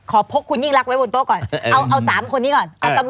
ขอพกคุณยิ่งลักษณ์ไว้บนโต๊ะก่อนเอา๓คนนี้ก่อนเอาตำรวจ๓คนนี้ก่อน